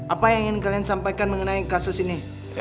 apa yang ingin kalian sampaikan mengenai kasus ini